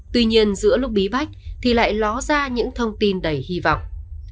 tuy nhiên giữa lúc bí bách thì lại ló ra những thông tin đầy hy vọng